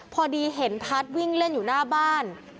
พอดีเห็นพัฒน์วิ่งเล่นอยู่หน้าบ้าน